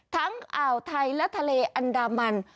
อ่าวไทยและทะเลอันดามัน